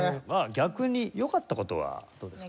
逆によかった事はどうですか？